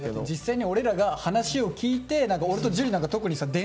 実際に俺らが話を聞いて俺と樹なんか特にさ